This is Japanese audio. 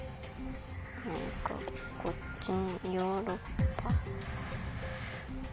何かこっちにヨーロッパ。